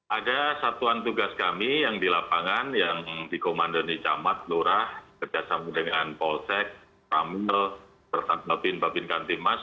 ada satuan tugas kami yang di lapangan yang dikomandoni camat lurah kerjasama dengan polsek kamil bapin bapin kantimas